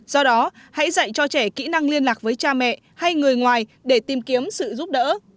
do đó hãy dạy cho trẻ kỹ năng liên lạc với cha mẹ hay người ngoài để tìm kiếm sự giúp đỡ